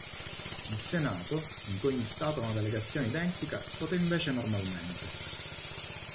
Il Senato, in cui ogni stato ha una delegazione identica, vota invece normalmente.